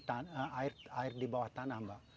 untuk menabung air di bawah tanah mbak